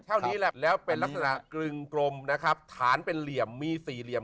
เท่านี้แหละแล้วเป็นลักษณะกรึงกลมนะครับฐานเป็นเหลี่ยมมีสี่เหลี่ยม